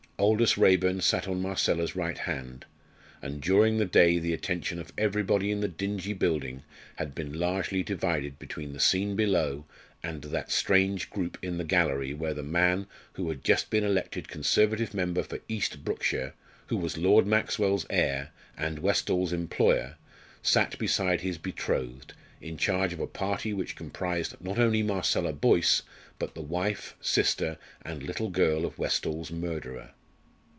Aldous Raeburn sat on Marcella's right hand; and during the day the attention of everybody in the dingy building had been largely divided between the scene below, and that strange group in the gallery where the man who had just been elected Conservative member for East Brookshire, who was Lord Maxwell's heir, and Westall's employer, sat beside his betrothed, in charge of a party which comprised not only Marcella Boyce, but the wife, sister, and little girl of Westall's murderer.